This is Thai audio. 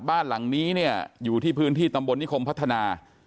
บ้านหลังนี้เนี่ยอยู่ที่พื้นที่ตำบลนิคมพัฒนา